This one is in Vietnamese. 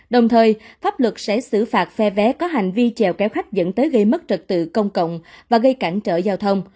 đồng thời pháp luật sẽ xử phạt phe vé có hành vi trèo kéo khách dẫn tới gây mất trật tự công cộng và gây cản trở giao thông